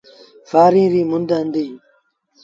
سآريٚݩ ريٚ مند هُݩديٚ۔